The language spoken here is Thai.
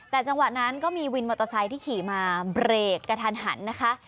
แต่จังหวะนั้นก็มีวินมอเตอร์ไซค์ที่ขี่มาเบรกกระทันหันนะคะ